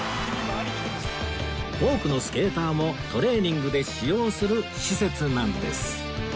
多くのスケーターもトレーニングで使用する施設なんです